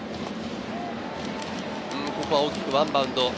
ここは大きくワンバウンド。